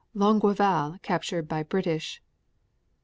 Longueval captured by British. 25.